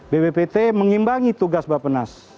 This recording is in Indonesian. bppt mengimbangi tugas bapenas